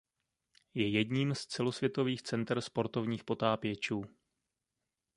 Je jedním z celosvětových center sportovních potápěčů.